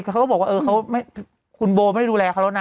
จะบอกว่าเออคุณโบไม่ดูแลเขาแล้วนะ